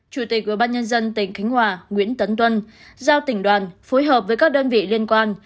chủ tịch ủy ban nhân dân tỉnh khánh hòa nguyễn tấn tuân giao tỉnh đoàn phối hợp với các đơn vị liên quan